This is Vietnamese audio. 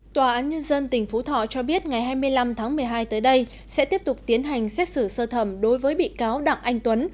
tòa án nhân dân tỉnh phú thọ cho biết ngày hai mươi năm tháng một mươi hai tới đây sẽ tiếp tục tiến hành xét xử sơ thẩm đối với bị cáo đặng anh tuấn